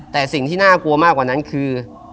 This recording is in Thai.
แต่สิ่งที่น่ากลัวมากกว่านั้นคือ